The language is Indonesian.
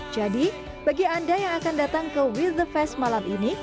jadi bagi anda yang akan datang ke with the fest malam ini